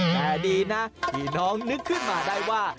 แต่ดีนะที่น้องนึกขึ้นมาได้ว่า